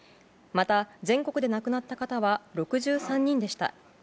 また、全国で亡くなった方は６３人でした。